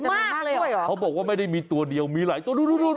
มากเลยเหรอเขาบอกว่าไม่ได้มีตัวเดียวมีหลายตัว